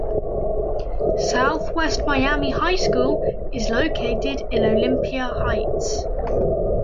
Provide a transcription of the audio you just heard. Southwest Miami High School is located in Olympia Heights.